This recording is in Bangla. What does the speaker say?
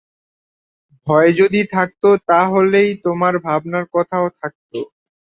ভয় যদি থাকত তা হলেই তোমার ভাবনার কথাও থাকত।